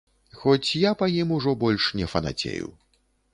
Хоць я па ім ўжо больш не фанацею.